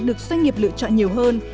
được doanh nghiệp lựa chọn nhiều hơn